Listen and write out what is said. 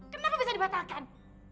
kenapa bisa dibatalkan